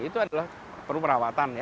itu adalah perlu perawatan ya